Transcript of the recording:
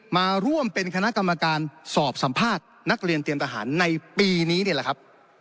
มาร่วมเป็นคณะกรรมการสอบสัมภาษณ์นักเรียนเตรียมทหารในปีนี้นี่แหละครับ